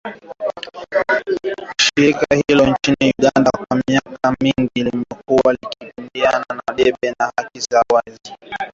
Shirika hilo nchini Uganda kwa miaka mingi limekuwa likipigia debe haki za wapenzi wa jinsia moja nchini Uganda.